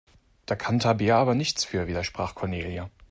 Da kann Tabea aber nichts für, widersprach Cornelia.